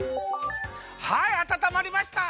はいあたたまりました。